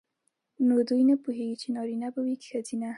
نو دوی نه پوهیږي چې نارینه به وي که ښځه.